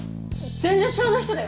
全然知らない人だよ。